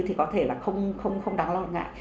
thì có thể là không đáng lo ngại